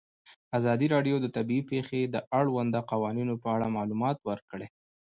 ازادي راډیو د طبیعي پېښې د اړونده قوانینو په اړه معلومات ورکړي.